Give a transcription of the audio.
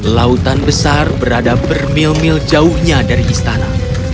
lautan besar berada bermil mil jauhnya dari istana